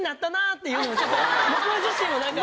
僕ら自身も何か。